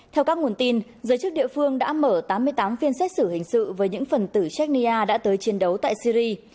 theo các nguồn tin giới chức địa phương đã mở tám mươi tám phiên xét xử hình sự với những phần tử cherrya đã tới chiến đấu tại syri